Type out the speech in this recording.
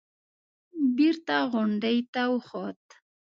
بېرته غونډۍ ته وخوت.